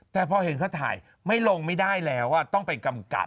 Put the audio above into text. แต่พอเห็นเขาถ่ายไม่ลงไม่ได้แล้วต้องไปกำกับ